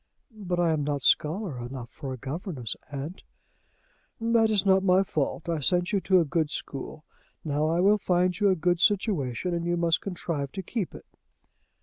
"But I am not scholar enough for a governess, aunt." "That is not my fault. I sent you to a good school. Now, I will find you a good situation, and you must contrive to keep it."